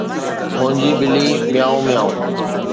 منهنجي ٻلي، ميوو ميوو.